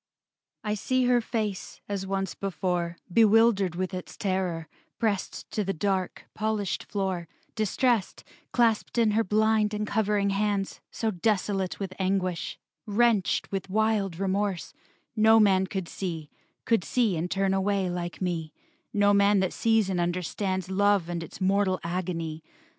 V I see her face, as once before, Bewildered with its terror, pressed To the dark, polished floor; distressed, Clasped in her blind and covering hands; So desolate with anguish, wrenched With wild remorse, no man could see, Could see and turn away like me, No man that sees and understands Love and its mortal agony.